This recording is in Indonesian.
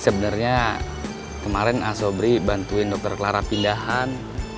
sebenernya kemarin asom reja bantuin dokter clara pindahan